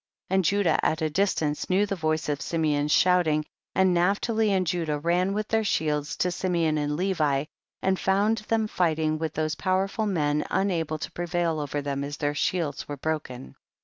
42. And Judah at a distance knew the voice of Simeon's shouting, and Naphtali and Judah ran with their shields to Simeon and Levi, and found them fighting with those pow erful men, unable to prevail over them as their shields were broken.